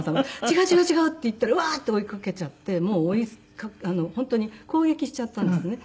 「違う違う違う」って言ったらワーッて追いかけちゃってもう本当に攻撃しちゃったんですね。